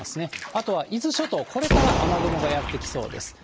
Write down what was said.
あとは伊豆諸島、これから雨雲がやって来そうです。